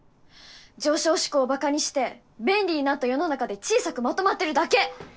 上昇志向をバカにして便利になった世の中で小さくまとまってるだけ。